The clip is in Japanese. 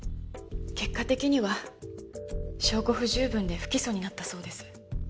結果的には証拠不十分で不起訴になったそうです。